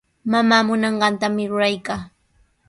Mamaa munanqantami ruraykaa.